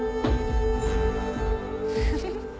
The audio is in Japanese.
フフフ。